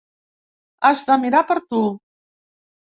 Has de mirar per tu.